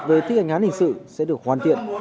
về thi hành án hình sự sẽ được hoàn thiện